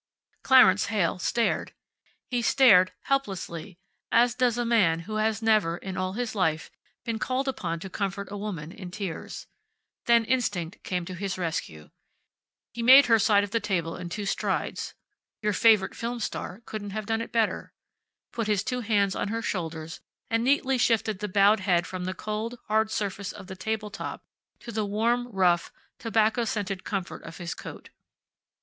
Clarence Heyl stared. He stared, helplessly, as does a man who has never, in all his life, been called upon to comfort a woman in tears. Then instinct came to his rescue. He made her side of the table in two strides (your favorite film star couldn't have done it better), put his two hands on her shoulders and neatly shifted the bowed head from the cold, hard surface of the table top to the warm, rough, tobacco scented comfort of his coat.